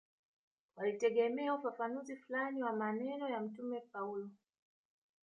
Walitegemea ufafanuzi fulani wa maneno ya Mtume Paulo